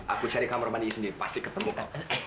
aku cari kamar mandinya sendiri pasti ketemu kak